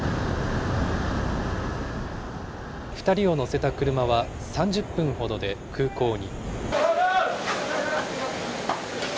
２人を乗せた車は、３０分ほどで空港に。